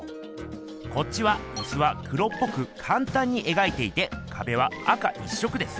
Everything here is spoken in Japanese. こっちはいすは黒っぽくかんたんに描いていてかべは赤一色です。